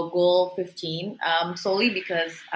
jadi tujuan ke lima belas